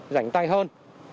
giảnh tay hơn